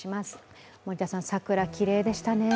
桜、きれいでしたね。